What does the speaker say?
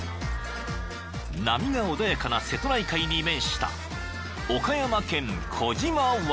［波が穏やかな瀬戸内海に面した］